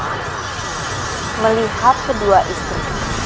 kau tidak bisa melihat kedua istri